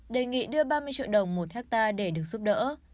đề nghị đưa ba mươi triệu đồng một hectare để được giúp đỡ